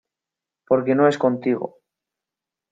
porque no es contigo.